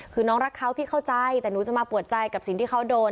คือน้องรักเขาพี่เข้าใจแต่หนูจะมาปวดใจกับสิ่งที่เขาโดน